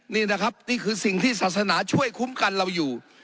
นี่นะครับนี่คือสิ่งที่ศาสนาช่วยคุ้มกันเราอยู่